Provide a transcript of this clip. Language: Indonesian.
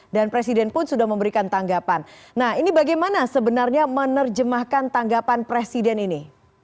dan presiden pun sudah memberikan tanggapan nah ini bagaimana sebenarnya menerjemahkan tanggapan presiden ini